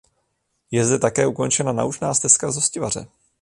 Je zde také ukončena naučná stezka z Hostivaře.